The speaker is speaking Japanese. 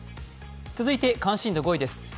続いて関心度５位です。